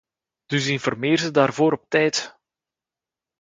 Dus informeer ze daarover op tijd.